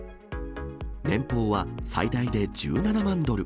年俸は最大で１７万ドル。